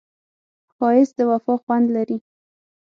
ښایست د وفا خوند لري